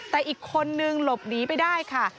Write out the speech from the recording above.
แต่อีกคนนึงหลบหนีไปได้ค่ะ